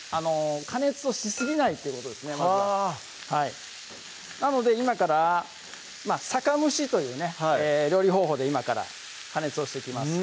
加熱をしすぎないっていうことですねまずははいなので今から酒蒸しというね料理方法で今から加熱をしていきます